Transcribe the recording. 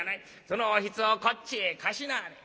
そのおひつをこっちへ貸しなはれ」。